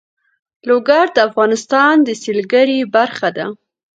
لوگر د افغانستان د سیلګرۍ برخه ده.